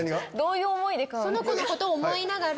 その子のことを思いながら。